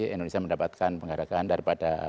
indonesia mendapatkan penghargaan daripada